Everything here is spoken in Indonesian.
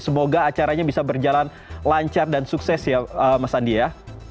semoga acaranya bisa berjalan lancar dan sukses ya mas andi ya